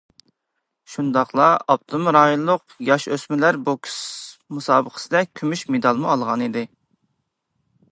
شۇنداقلا ئاپتونوم رايونلۇق ياش-ئۆسمۈرلەر بوكس مۇسابىقىسىدە كۈمۈش مېدالمۇ ئالغانىدى.